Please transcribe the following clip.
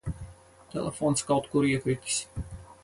Telefons kaut kur iekritis.